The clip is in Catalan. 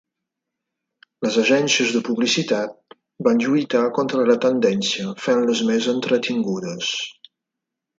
Les agències de publicitat van lluitar contra la tendència fent-les més entretingudes.